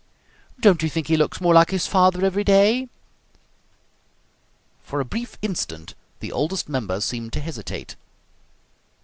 "Don't you think he looks more like his father every day?" For a brief instant the Oldest Member seemed to hesitate.